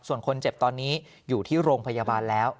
ส่วนคนเจ็บตอนนี้อยู่ที่โรงพยาบาลแล้ว